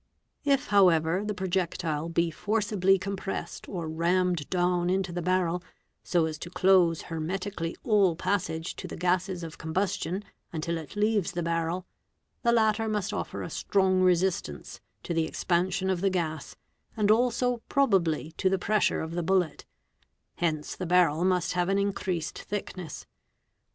If however the projectile be forcibly com — pressed or rammed down into the barrel so as to close hermetically all passage to the gases of combustion until it leaves the barrel, the latter i must offer a strong resistance to the expansion of the gas and also probably |{ to the pressure of the bullet; hence the barrel must have an increased 4 thickness.